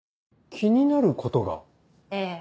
気になることが？ええ。